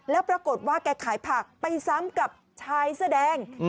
แล้วปรากฏว่าแกขายผักไปซ้ำกับชายเสื้อแดง